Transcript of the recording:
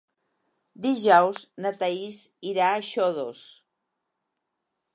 Dijous na Thaís irà a Xodos.